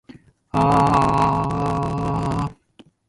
aaaaaaaaaaaaaaaaaaaaaaaaaaaaaaaaaaa